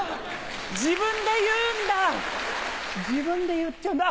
自分で言うんだ自分で言っちゃうんだ。